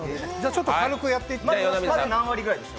ちょっと軽くやっていきます。